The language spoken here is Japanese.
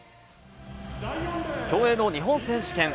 競泳の日本選手権。